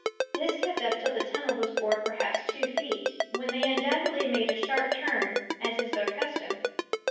This kept up till the tunnel was bored perhaps two feet, when they undoubtedly made a sharp turn, as is their custom.